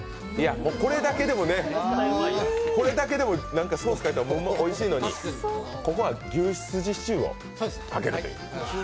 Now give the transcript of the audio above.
これだけでも、何かソースかけたらおいしいのに、ここは牛すじシチューをかけるという。